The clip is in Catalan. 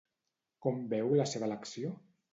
Com veu la seva elecció?